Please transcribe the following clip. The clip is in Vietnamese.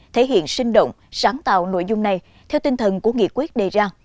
thể hiện sinh động sáng tạo nội dung này theo tinh thần của nghị quyết đề ra